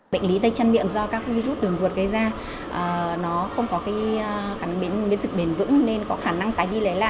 bệnh lý tay chân miệng do các virus đường vượt gây ra nó không có biến dịch bền vững nên có khả năng